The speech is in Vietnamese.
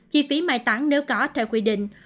chi phí mại tán nếu có theo quy định